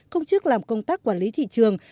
công chức làm công tác quản lý thị trường